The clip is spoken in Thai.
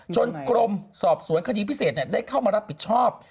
กรมสอบสวนคดีพิเศษได้เข้ามารับผิดชอบ